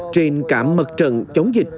trên cả mật trận chống dịch